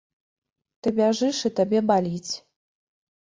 Ты бяжыш, і табе баліць.